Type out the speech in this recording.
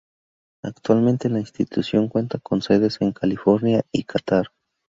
Actualmente la institución cuenta con sedes en California y Catar.